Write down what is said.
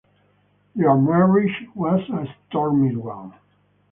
Their marriage was a stormy one.